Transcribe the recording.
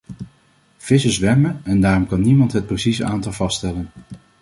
Vissen zwemmen en daarom kan niemand het precieze aantal vaststellen.